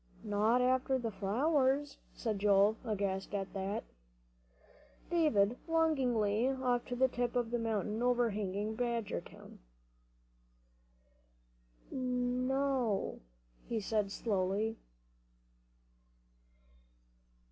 "Not after the flowers?" said Joel, aghast at that. David looked longingly off to the tip of the mountain overhanging Badgertown. "N no," he said slowly.